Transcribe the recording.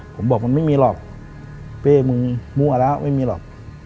ผมบอกมันไม่มีหรอกเป้มึงมั่วแล้วไม่มีหรอก